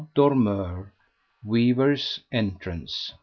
Dormeur. Weavers' Entrance."